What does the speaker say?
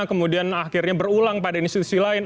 kemudian akhirnya berulang pada institusi lain